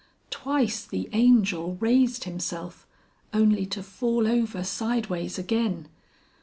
Twice the Angel raised himself, only to fall over sideways again.